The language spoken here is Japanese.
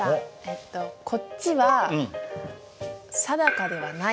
えっとこっちは定かではない日。